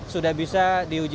sudah bisa diuji